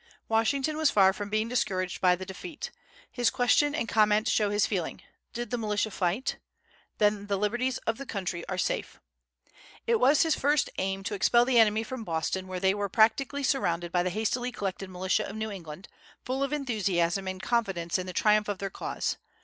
Washington was far from being discouraged by the defeat. His question and comment show his feeling: "Did the militia fight? Then the liberties of the country are safe." It was his first aim to expel the enemy from Boston, where they were practically surrounded by the hastily collected militia of New England, full of enthusiasm and confidence in the triumph of their cause.